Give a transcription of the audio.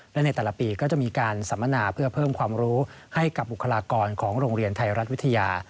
และในแต่ละปีก็จะมีการสัมมนาเพื่อเพิ่มความรู้ให้กับบุคลากรของโรงเรียนไทยรัฐวิทยา